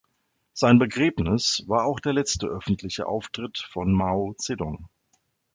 Sein Begräbnis war auch der letzte öffentliche Auftritt von Mao Zedong.